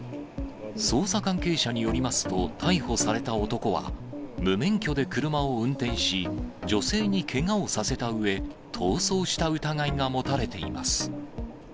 捜査関係者によりますと、逮捕された男は、無免許で車を運転し、女性にけがをさせたうえ、逃走した疑いが持たれています。